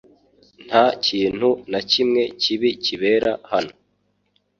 Nta kintu nakimwe kibi kibera hano